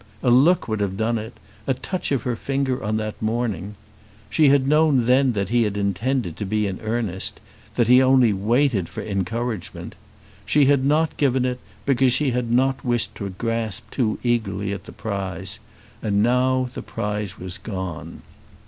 A look would have done it; a touch of her finger on that morning. She had known then that he had intended to be in earnest, that he only waited for encouragement. She had not given it because she had not wished to grasp too eagerly at the prize, and now the prize was gone!